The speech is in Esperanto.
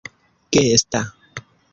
gesta